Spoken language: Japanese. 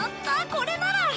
これなら。